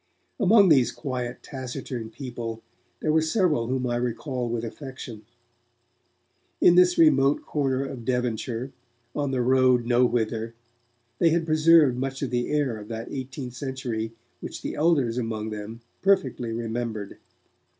Among these quiet, taciturn people, there were several whom I recall with affection. In this remote corner of Devonshire, on the road nowhither, they had preserved much of the air of that eighteenth century which the elders among them perfectly remembered.